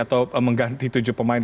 atau mengganti tujuh pemain